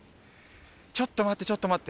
ちょっと待ってちょっと待って。